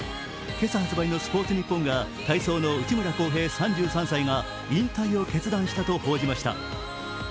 今朝発売の「スポーツニッポン」が体操の内村航平３３歳が引退を決断したと報じました。